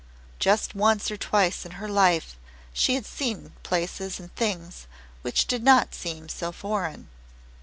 Just once or twice in her life she had seen places and things which did not seem so foreign.